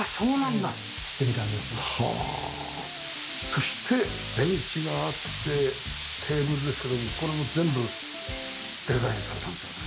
そしてベンチがあってテーブルですけどもこれも全部デザインされたんですよね。